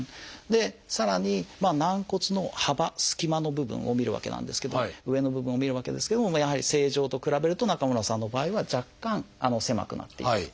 さらに軟骨の幅隙間の部分を見るわけなんですけど上の部分を見るわけですけどもやはり正常と比べると中村さんの場合は若干狭くなっている。